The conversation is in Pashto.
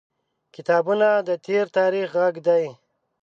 • کتابونه د تیر تاریخ غږ دی.